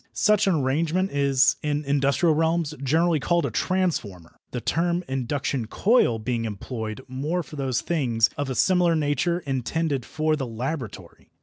Such an arrangement is in industrial realms generally called a transformer, the term induction coil being employed more for those things of a similar nature intended for the laboratory.